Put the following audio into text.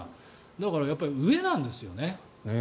だから、上なんですよね。